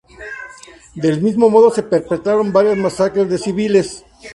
Del mismo modo se perpetraron varias masacres de civiles.